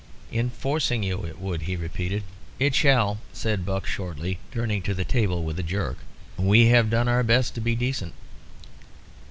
"In forcing you ... it would," he repeated. "It shall," said Buck, shortly, turning to the table with a jerk. "We have done our best to be decent."